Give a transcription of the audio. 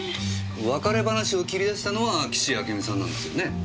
別れ話を切り出したのは岸あけみさんなんですよね？